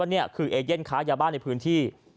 ว่าเนี่ยคือเอเย่นขายาบ้าในพื้นที่